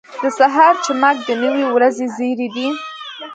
• د سهار چمک د نوې ورځې زېری دی.